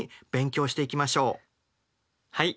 はい。